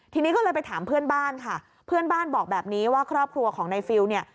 ทีนี้ก็เลยไปถามเพื่อนบ้านค่ะเพื่อนบ้านบอกแบบนี้ว่าครอบครัวของในฟิลเนี่ย